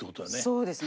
そうですね。